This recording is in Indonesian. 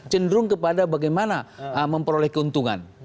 cenderung kepada bagaimana memperoleh keuntungan